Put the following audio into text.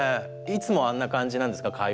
いつもあんな感じなんですか？